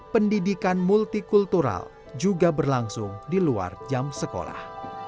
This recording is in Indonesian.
pendidikan multikultural juga berlangsung di luar jam sekolah